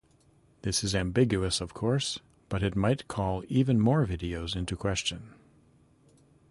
This is ambiguous of course, but it might call even more videos into question.